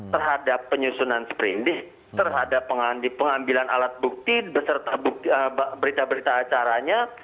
terhadap penyusunan sprindik terhadap pengambilan alat bukti beserta berita berita acaranya